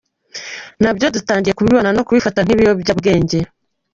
Na byo dutangiye kubibona no kubifata nk’ibiyobyabwenge.